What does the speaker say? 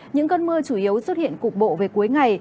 những cơn mưa chủ yếu xuất hiện cục bộ về cuối ngày